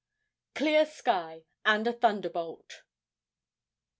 CLEAR SKY AND A THUNDERBOLT.